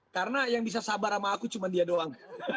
karena yang bisa sabar sama aku cuma dia doang